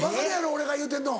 俺が言うてるの。